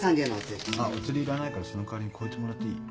お釣りいらないからその代わりにこいつもらっていい？